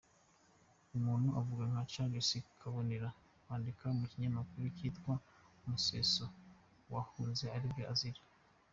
Umuntu yavuga nka Charles Kabonero wandikaga mu kinyamakuru cyitwaga Umuseso, wahunze ari ibyo azira.